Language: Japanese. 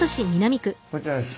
こちらです。